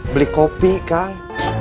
beli kopi kang